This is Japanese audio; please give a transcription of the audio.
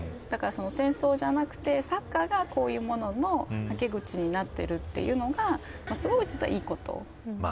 戦争じゃなくて、サッカーがこういうもののはけ口になっているというのがすごくいいこと。